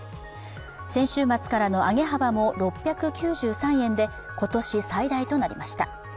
先週末からの上げ幅も６９３円で今年最大となりました。